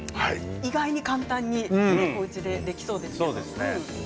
意外に簡単におうちでそうですね。